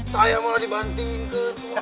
saya malah dibantingkan